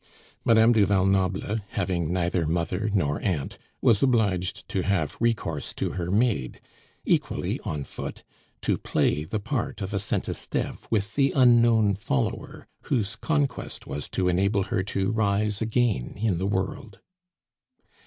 Madame du Val Noble, having neither mother nor aunt, was obliged to have recourse to her maid equally on foot to play the part of a Saint Esteve with the unknown follower whose conquest was to enable her to rise again in the world.